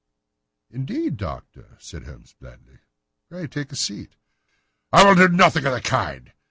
"Indeed, Doctor," said Holmes blandly. "Pray take a seat." "I will do nothing of the kind.